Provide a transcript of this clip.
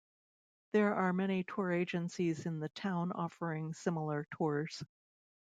There are many tour agencies in the town offering similar tours.